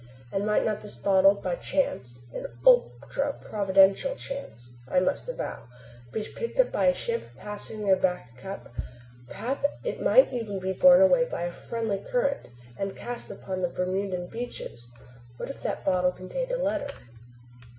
And might not this bottle by chance an ultra providential chance, I must avow be picked up by a ship passing near Back Cup? Perhaps even it might be borne away by a friendly current and cast upon one of the Bermudan beaches. What if that bottle contained a letter?